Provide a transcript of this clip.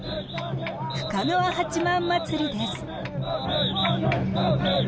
深川八幡祭りです。